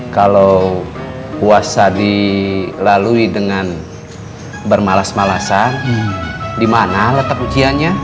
kalau puasa dilalui dengan bermalas malasan di mana letak ujiannya